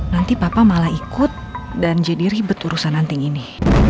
nanti papa malah ikut dan jadi ribet urusan anting ini